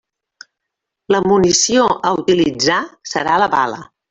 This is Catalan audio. La munició a utilitzar serà la bala.